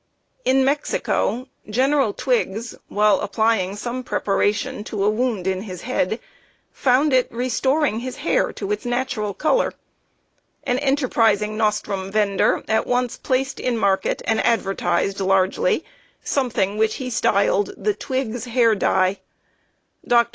In Mexico, General Twiggs, while applying some preparation to a wound in his head, found it restoring his hair to its natural color. An enterprising nostrum vender at once placed in market and advertised largely something which he styled the "Twiggs Hair Dye." Dr.